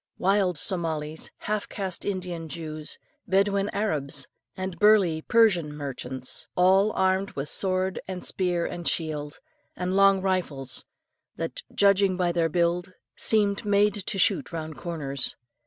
Wild Somalis, half caste Indian Jews, Bedouin Arabs, and burly Persian merchants, all armed with sword and spear and shield, and long rifles that, judging by their build, seemed made to shoot round corners.